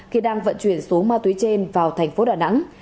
khi đang vận chuyển số ma túy trên vào thành phố đà nẵng